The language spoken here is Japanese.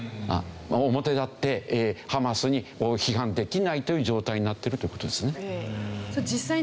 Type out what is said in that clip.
表立ってハマスに批判できないという状態になってるという事ですね。